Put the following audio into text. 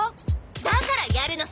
だからやるのさ。